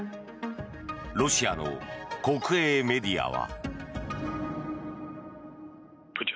ロシアの国営メディアは。